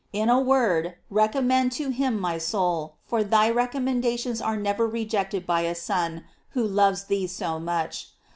In a word, recommend to him my soul, for thy recommendations are never rejected by a Son who loves thee so much.